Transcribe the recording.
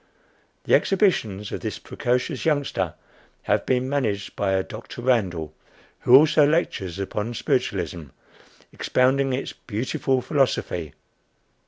The exhibitions of this precocious youngster have been "managed" by a Dr. Randall, who also lectures upon Spiritualism, expounding its "beautiful philosophy."